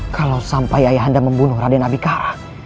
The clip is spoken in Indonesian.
kalau sampai ayah anda membunuh raden habikara